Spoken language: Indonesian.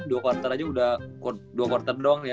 dua quarter aja udah dua quarter doang ya